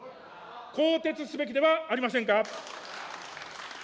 更迭すべきではありませんか。